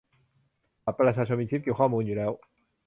บัตรประชาชนมีชิปเก็บข้อมูลอยู่แล้ว